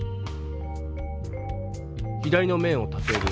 左の面を立てる。